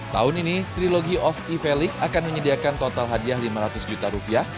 tahun ini trilogy of efelix akan menyediakan total hadiah rp lima ratus juta